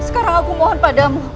sekarang aku mohon padamu